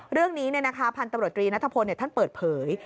เรื่องนี้พันธุ์ตำรวจตรีนัทพลท่านเปิดเผย